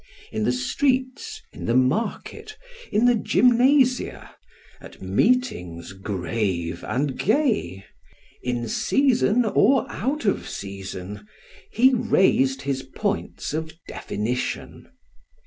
In the streets, in the market, in the gymnasia, at meetings grave and gay, in season or out of season, he raised his points of definition.